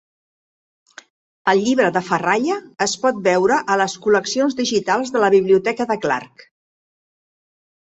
El llibre de ferralla es pot veure a les col·leccions digitals de la biblioteca de Clark.